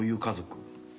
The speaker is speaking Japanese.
家族？